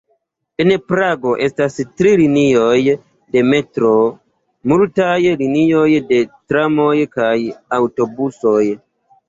En Prago estas tri linioj de metroo, multaj linioj de tramoj kaj aŭtobusoj.